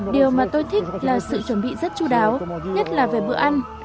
điều mà tôi thích là sự chuẩn bị rất chú đáo nhất là về bữa ăn